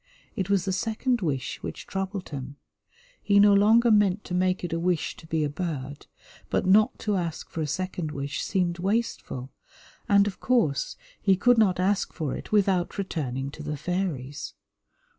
It was the second wish which troubled him. He no longer meant to make it a wish to be a bird, but not to ask for a second wish seemed wasteful, and, of course, he could not ask for it without returning to the fairies.